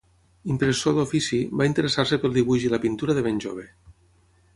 Impressor d'ofici, va interessar-se pel dibuix i la pintura de ben jove.